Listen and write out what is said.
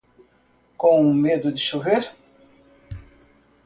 Com medo de chover?